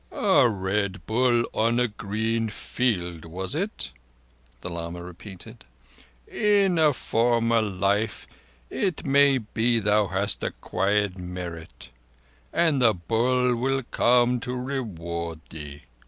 "A Red Bull on a green field, was it?" the lama repeated. "In a former life it may be thou hast acquired merit, and the Bull will come to reward thee."